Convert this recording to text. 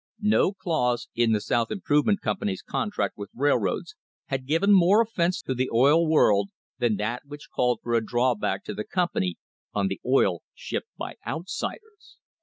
No clause in the South Improvement Company's contract with railroads had given more offence to the oil world than that which called for a drawback to the company on the oil shipped by outsiders.